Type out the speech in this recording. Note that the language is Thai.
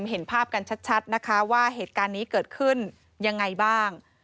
เห็นภาพกันชัดนะคะว่าเหตุการณ์นี้เกิดขึ้นยังไงบ้าง